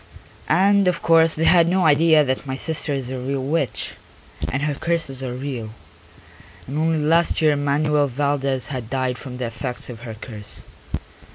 And of course they had no idea that my sister is a real witch, and her curses are real, and only last year Manuel Valdez had died from the effects of her curse.